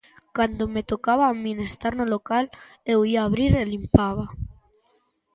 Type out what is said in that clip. Cando me tocaba a min estar no local, eu ía abrir e limpaba.